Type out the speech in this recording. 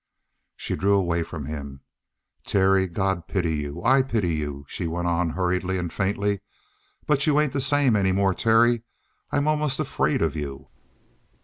She drew away from him. "Terry, God pity you. I pity you," she went on hurriedly and faintly. "But you ain't the same any more, Terry. I I'm almost afraid of you!"